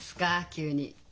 急に。